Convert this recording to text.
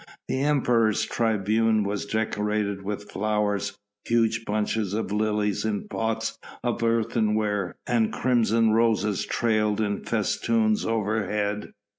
The Emperor's tribune was decorated with flowers: huge bunches of lilies in pots of earthenware and crimson roses trailed in festoons overhead.